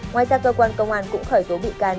ngoài ra cơ quan công an cũng khởi tố bị can